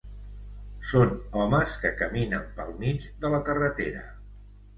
Són homes que caminen pel mig de la carretera.